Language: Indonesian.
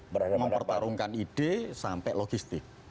mempertarungkan ide sampai logistik